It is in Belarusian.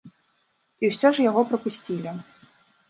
І ўсё ж яго прапусцілі.